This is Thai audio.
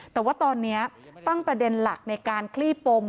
แต่ว่าตอนนี้ตั้งประเด็นหลักในการคลี่ปม